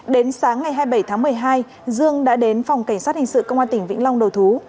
đến sáng ngày hai mươi bảy tháng một mươi hai dương đã đến phòng cảnh sát hình sự công an tỉnh vĩnh long đầu thú